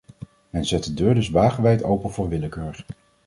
Men zet de deur dus wagenwijd open voor willekeur.